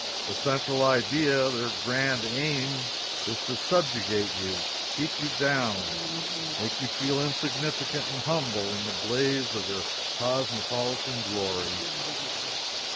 Their central idea, their grand aim, is to subjugate you, keep you down, make you feel insignificant and humble in the blaze of their cosmopolitan glory!